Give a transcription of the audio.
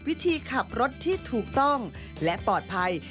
พิธีขับรถที่ถูกต้องและปลอดภัย